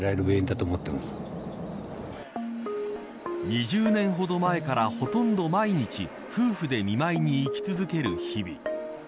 ２０年ほど前からほとんど毎日夫婦で見舞いに行き続ける日々。